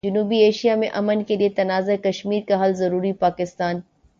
جنوبی ایشیا میں امن کیلئے تنازع کشمیر کا حل ضروری، پاکستان